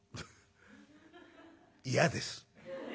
「嫌です。